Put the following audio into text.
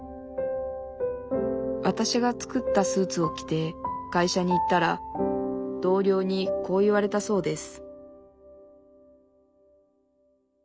わたしが作ったスーツを着て会社に行ったら同僚にこう言われたそうです